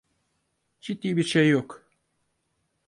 Ciddi bir şey yok.